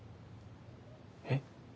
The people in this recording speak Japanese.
えっ。